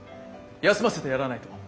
休ませてやらないと。